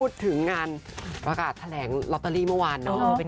พูดถึงงานประกาศแถลงลอตเตอรี่เมื่อวานเนอะ